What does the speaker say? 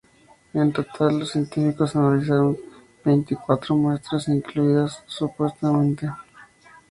En total, los científicos analizaron veinticuatro muestras, incluidas nueve supuestamente pertenecientes a la criatura.